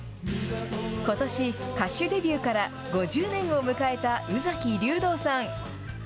ことし歌手デビューから５０年を迎えた宇崎竜童さん。